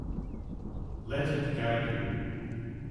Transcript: Let it guide you.